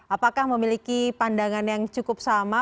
apakah memiliki pandangan yang cukup sama